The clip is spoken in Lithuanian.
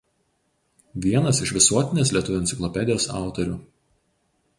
Vienas iš Visuotinės lietuvių enciklopedijos autorių.